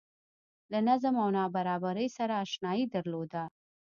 له نظم او نابرابرۍ سره اشنايي درلوده